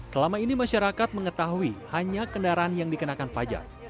selama ini masyarakat mengetahui hanya kendaraan yang dikenakan pajak